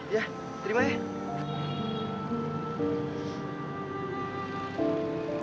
ya terima ya